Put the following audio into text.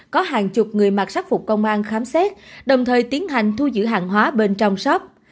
có hàng chục người mặc sắc phục công an khám xét đồng thời tiến hành thu giữ hàng hóa bên trong shop